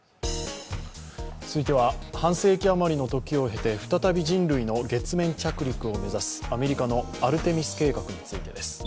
続いては半世紀あまりの時を経て再び人類の月面着陸を目指すアメリカのアルテミス計画についてです。